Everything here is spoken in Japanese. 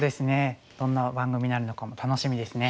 どんな番組になるのかも楽しみですね。